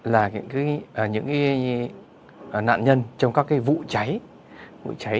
là những nạn nhân trong các vụ cháy